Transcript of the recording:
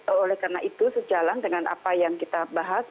oleh karena itu sejalan dengan apa yang kita bahas